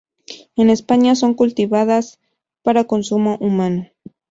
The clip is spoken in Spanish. En España son cultivadas para consumo humano.